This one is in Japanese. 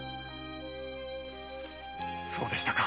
そうでしたか。